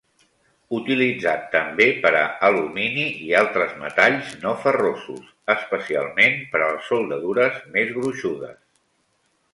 Utilitzat també per a alumini i altres metalls no ferrosos, especialment per a les soldadures més gruixudes.